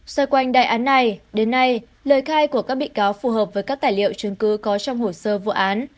xoay quanh đại án này đến nay lời khai của các bị cáo phù hợp với các tài liệu chứng cứ có trong hồ sơ vụ án